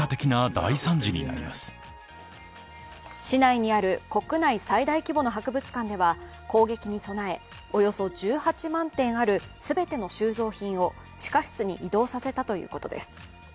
市内にある国内最大規模の博物館では攻撃に備え、およそ１８万点ある全ての収蔵品を地下室に移動させたということです。